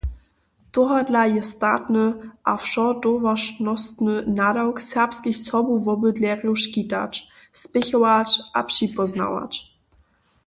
Tohodla je statny a wšotowaršnostny nadawk, serbskich sobuwobydlerjow škitać, spěchować a připóznawać.